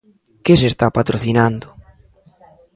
Que se está patrocinando?